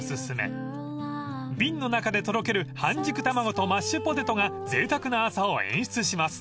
［瓶の中でとろける半熟卵とマッシュポテトがぜいたくな朝を演出します］